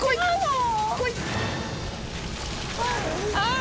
あ。